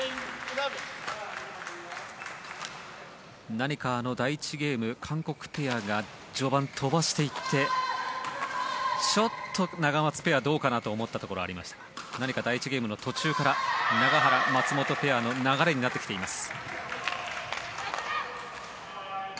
何か第１ゲーム、韓国ペアが序盤、飛ばしていってちょっとナガマツペアどうかなと思ったところがありましたが何か第１ゲームの途中から永原、松本ペアの流れになってきています。